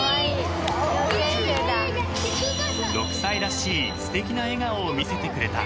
［６歳らしいすてきな笑顔を見せてくれた］